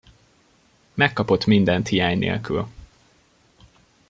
Megkapott mindent hiány nélkül.